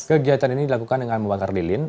kegiatan ini dilakukan dengan membakar lilin